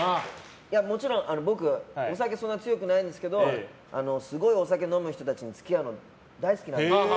もちろん、僕、お酒そんなに強くないんですけどすごいお酒飲む人たちに付き合うの、大好きなんですよ。